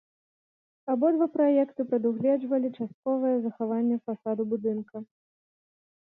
Абодва праекты прадугледжвалі частковае захаванне фасаду будынка.